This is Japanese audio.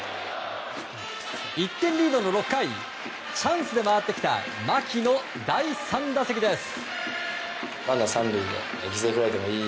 １点リードの６回チャンスで回ってきた牧の第３打席です。